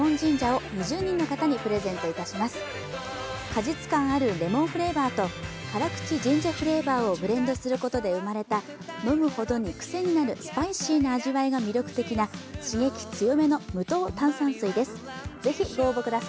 果実感あるレモンフレーバーと辛口ジンジャーフレーバーをブレンドすることで生まれた飲むほどにくせになるスパイシーな味わいが魅力的な刺激強めの無糖炭酸水です。